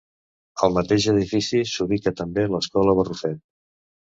Al mateix edifici s'ubica també l'escola Barrufet.